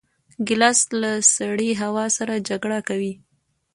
ګیلاس له سړې هوا سره جګړه کوي.